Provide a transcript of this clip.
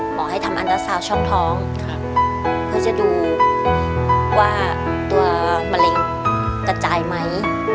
หมอให้ทำอันดาซาวช่องท้องเพื่อจะดูว่าตัวมะเร็งกระจายไหม